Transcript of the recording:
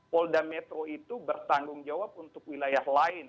polda metro itu bertanggung jawab untuk wilayah lain